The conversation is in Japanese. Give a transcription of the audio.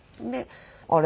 あれ？